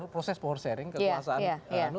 proses power sharing kekuasaan